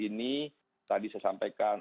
ini tadi saya sampaikan